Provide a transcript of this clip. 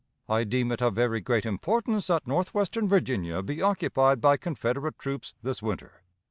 I deem it of very great importance that northwestern Virginia be occupied by Confederate troops this winter.